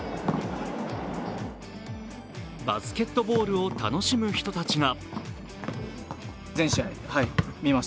バスケットボールを楽しむ人たちが。